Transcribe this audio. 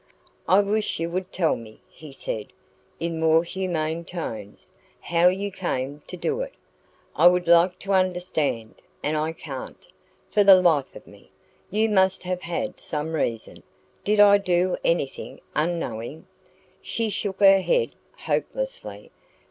"I wish you would tell me," he said, in more humane tones, "how you came to do it. I would like to understand, and I can't, for the life of me. You must have had some reason. DID I do anything, unknowing " She shook her head hopelessly.